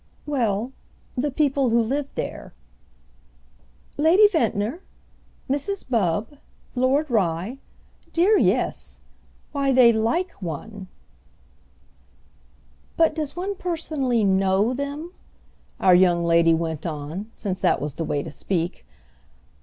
"Well—the people who live there." "Lady Ventnor? Mrs. Bubb? Lord Rye? Dear, yes. Why they like one." "But does one personally know them?" our young lady went on, since that was the way to speak.